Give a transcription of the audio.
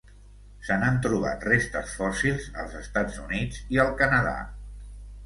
Se n'han trobat restes fòssils als Estats Units i el Canadà.